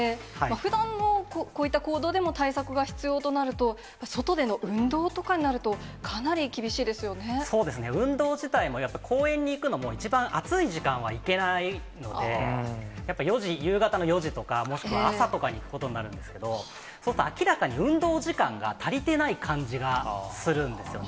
ふだんもこういった行動での対策が必要となると、外での運動とかそうですね、運動自体も、やっぱり公園に行くのも、一番暑い時間は行けないので、やっぱ４時、夕方の４時とか、もしくは朝とかに行くことになるんですけど、そうすると、明らかに運動時間が足りていない感じがするんですよね。